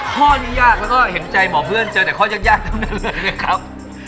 ข้อนี้ยากแล้วก็เห็นใจหมอเพื่อนเจอแต่ข้อยากทั้งนั้นเลยนะครับ